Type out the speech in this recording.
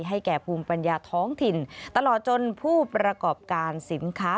แก่ภูมิปัญญาท้องถิ่นตลอดจนผู้ประกอบการสินค้า